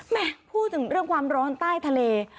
พูดถึงเรื่องความร้อนใต้ทะเล